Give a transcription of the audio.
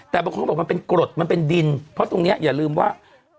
แต่บางคนเขาบอกมันเป็นกรดมันเป็นดินเพราะตรงนี้อย่าลืมว่า